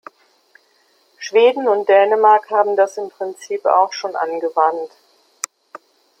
Schweden und Dänemark haben das im Prinzip auch schon angewandt.